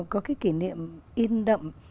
có cái kỉ niệm in đậm